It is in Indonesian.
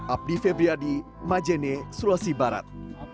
abdi febriadi majene sulawesi barat